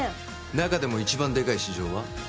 中でも一番でかい市場は？